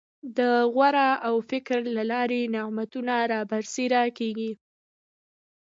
د غور او فکر له لارې نعمتونه رابرسېره کېږي.